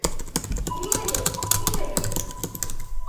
Инегеҙ, инегеҙ!